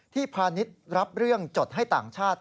พาณิชย์รับเรื่องจดให้ต่างชาติ